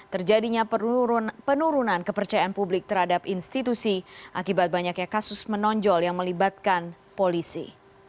terjadinya penurunan kepercayaan publik terhadap institusi akibat banyaknya kasus menonjol yang melibatkan polisi